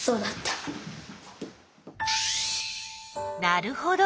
なるほど。